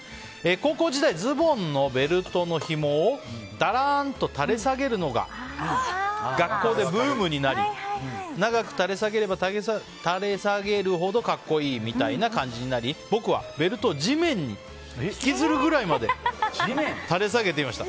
高校時代ズボンのベルトのひもをだらんと垂れ下げるのが学校でブームになり長く垂れ下げれば垂れ下げるほど格好いいみたいな感じになり僕はベルトを地面に引きずるくらいまで垂れ下げていました。